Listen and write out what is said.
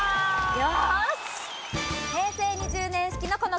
よし！